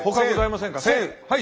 はい。